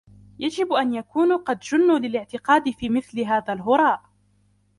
يجب أن يكونوا قد جُنّوا للاعتقاد في مثل هذا الهراء.